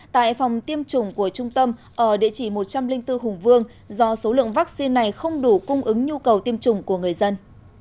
tại phòng tiêm chủng của trung tâm ở địa chỉ một trăm linh bốn hùng vương do số lượng vaccine này không đủ cung ứng nhu cầu tiêm chủng của người dân